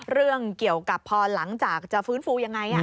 เรื่องเกี่ยวกับพอหลังจากจะฟื้นฟูยังไง